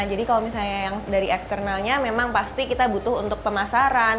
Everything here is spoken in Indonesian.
jadi kalau misalnya yang dari eksternalnya memang pasti kita butuh untuk pemasaran